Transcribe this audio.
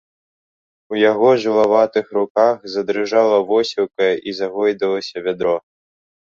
У яго жылаватых руках задрыжала восілка і загойдалася вядро.